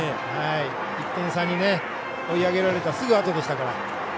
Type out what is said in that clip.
１点差に追い上げられたすぐあとでしたから。